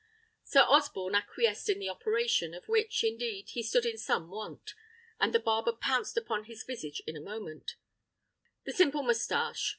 Sir Osborne acquiesced in the operation, of which, indeed, he stood in some want; and the barber pounced upon his visage in a moment. "The simple moustache, I see: the simple moustache!"